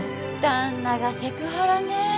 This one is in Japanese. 旦那がセクハラねぇ。